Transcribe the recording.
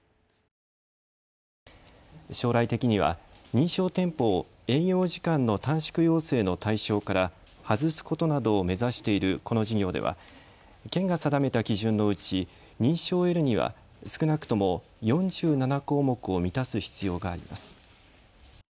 将来的には認証店舗を営業時間の短縮要請の対象から外すことなどを目指しているこの事業では県が定めた基準のうち認証を得るには少なくとも４７項目を満たす必要があります。